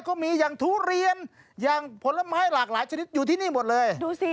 ก็มีอย่างทุเรียนอย่างผลไม้หลากหลายชนิดอยู่ที่นี่หมดเลยดูสิ